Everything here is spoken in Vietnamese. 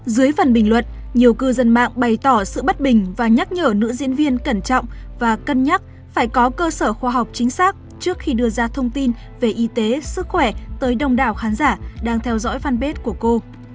dưới phần bình luận nhiều cư dân mạng bày tỏ sự bất bình và nhắc nhở nữ diễn viên cẩn trọng và cân nhắc phải có cơ sở khoa học chính xác trước khi đưa ra thông tin về y tế sức khỏe tới đông đảo khán giả đang theo dõi fanpage của cô